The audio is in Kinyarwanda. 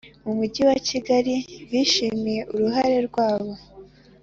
mu mujyi wa kigali bishimiye uruhare rwabo